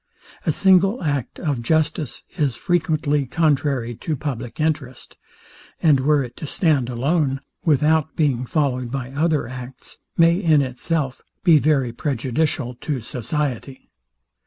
A single act of justice is frequently contrary to public interest; and were it to stand alone, without being followed by other acts, may, in itself, be very prejudicial to society.